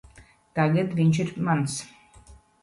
Tagad viņš ir mans.